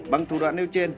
bằng thủ đoạn nêu trên